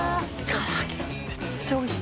唐揚げ絶対おいしい。